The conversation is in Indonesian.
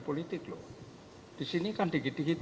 politik loh disini kan dikit dikit